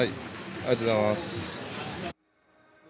ありがとうございます。